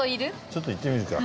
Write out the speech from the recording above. ちょっと行ってみるか。